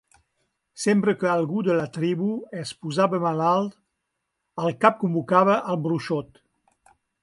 Sempre que algú de la tribu es posava malalt, el cap convocava al bruixot.